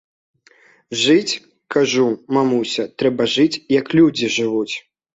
Жыць, кажу, мамуся, трэба, жыць, як людзі жывуць.